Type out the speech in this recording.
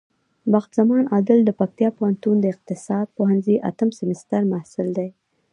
بخت زمان عادل د پکتيا پوهنتون د اقتصاد پوهنځی اتم سمستر محصل دی.